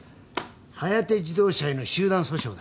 ハヤテ自動車への集団訴訟だ。